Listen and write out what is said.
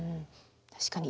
確かに。